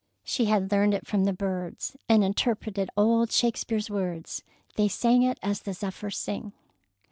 She had learned it from the birds, and interpreted old Shakespeare's words. They sang it as the zephyrs sing.